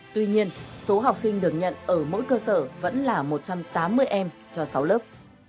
tuy nhiên số học sinh được nhận ở mỗi cơ sở vẫn là một trăm tám mươi em cho sáu lớp